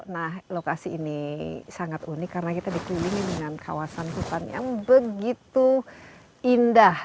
nah lokasi ini sangat unik karena kita dikelilingi dengan kawasan hutan yang begitu indah